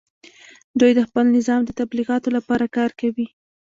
دوی د خپل نظام د تبلیغاتو لپاره کار کوي